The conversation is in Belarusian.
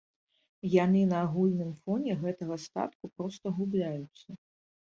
Яны на агульным фоне гэтага статку проста губляюцца.